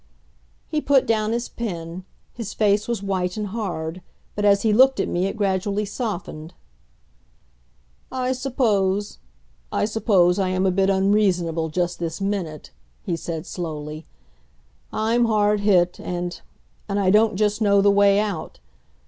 He put down his pen. His face was white and hard, but as he looked at me it gradually softened. "I suppose I suppose, I am a bit unreasonable just this minute," he said slowly. "I'm hard hit and and I don't just know the way out.